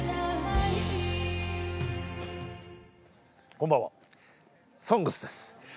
こんばんは「ＳＯＮＧＳ」です。